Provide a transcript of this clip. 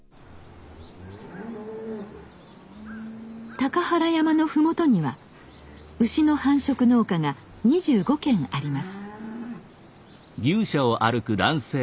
高原山の麓には牛の繁殖農家が２５軒あります。